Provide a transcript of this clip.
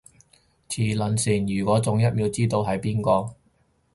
磁能線，如果中，一秒知道係邊個